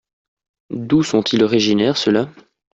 D'où sont-ils originaire ceux-là ?